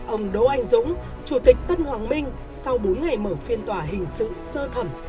ông đỗ anh dũng chủ tịch tân hoàng minh sau bốn ngày mở phiên tòa hình sự sơ thẩm